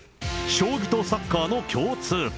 将棋とサッカーの共通点。